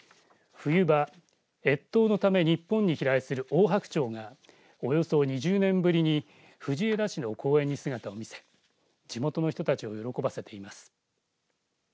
冬場、越冬のために日本に飛来するオオハクチョウがおよそ２０年ぶりに藤枝市の公園に姿を見せ地元の人たちを喜ばせています。